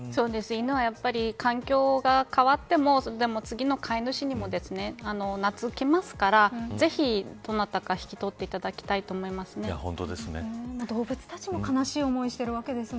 犬はやっぱり環境が変わってもでも、次の飼い主にもなつきますからぜひ、どなたか引き取っていただきたいと思います。